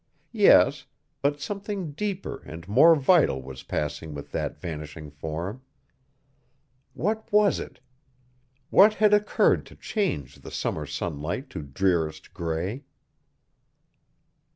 Yes, but something deeper and more vital was passing with that vanishing form. What was it? What had occurred to change the summer sunlight to drearest gray?